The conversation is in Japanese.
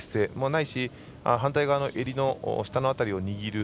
ないし反対側の襟の下の辺りを握る